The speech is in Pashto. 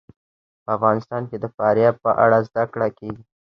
په افغانستان کې د فاریاب په اړه زده کړه کېږي.